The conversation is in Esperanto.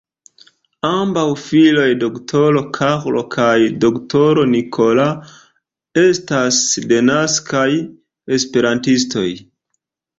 Ambaŭ filoj, d-ro Carlo kaj d-ro Nicola estas denaskaj esperantistoj.